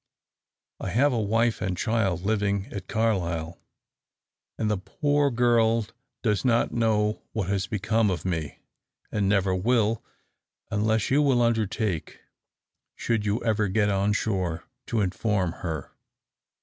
I have a wife and child living at Carlisle, and the poor girl does not know what has become of me, and never will, unless you will undertake, should you ever get on shore, to inform her.